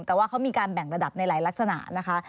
แต่ว่าเขามีการแบ่งระดับในหลายลักษณะนะคะ